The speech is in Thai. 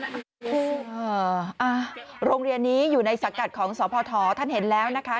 คือโรงเรียนนี้อยู่ในสังกัดของสพท่านเห็นแล้วนะคะ